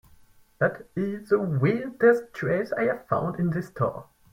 That is the weirdest dress I have found in this store.